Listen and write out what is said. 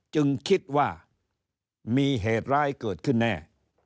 จึงคิดว่ามีเหตุร้ายเกิดขึ้นแน่